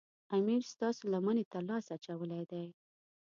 امیر ستاسو لمنې ته لاس اچولی دی.